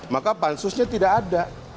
maka pansusnya tidak ada